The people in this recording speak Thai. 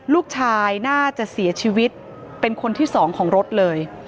ลูกชายน่าจะเสียชีวิตเป็นคนที่สองของรถเลย